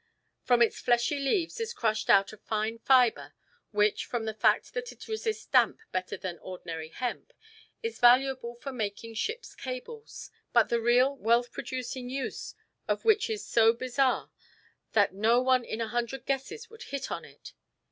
From its fleshy leaves is crushed out a fine fibre which, from the fact that it resists damp better than ordinary hemp, is valuable for making ships' cables, but the real wealth producing use of which is so bizarre that no one in a hundred guesses would hit on it.